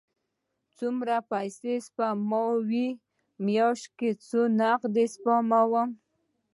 څومره پیسی سپموئ؟ میاشت کې یو څه نغدي سپموم